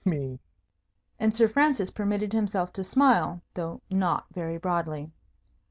Me!" and Sir Francis permitted himself to smile, though not very broadly.